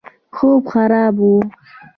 خوب خراب وو.